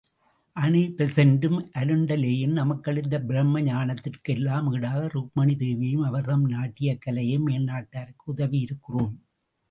அனிபெசண்டும், அருண்டேலும் நமக்களித்த பிரம்மஞானத்திற்கு எல்லாம் ஈடாக, ருக்மணி தேவியையும் அவர் தம் நாட்டியக் கலையையும் மேல்நாட்டாருக்கு உதவியிருக்கிறோம்.